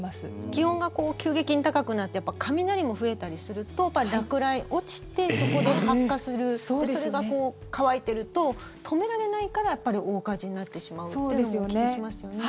気温が急激に高くなって雷も増えたりすると落雷、落ちてそこで発火するそれが乾いていると止められないから大火事になってしまうというのもお聞きしますよね。